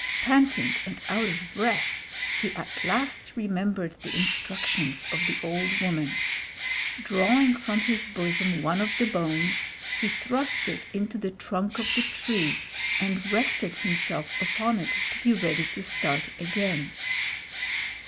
Panting and out of breath, he at last remembered the instructions of the old woman. Drawing from his bosom one of the bones, he thrust it into the trunk of the tree and rested himself upon it to be ready to start again.